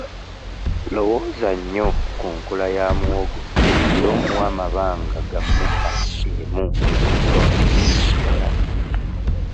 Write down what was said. Lowooza nnyo ku nkula ya muwogo era omuwe amabanga ga mmita emu okuva ku kikolo ekirala.